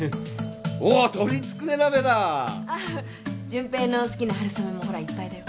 純平の好きな春雨もほらいっぱいだよ。